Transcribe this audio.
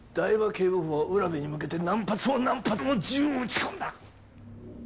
警部補は占部に向けて何発も何発も銃を撃ち込んだ！